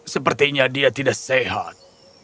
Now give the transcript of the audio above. sepertinya dia tidak sehat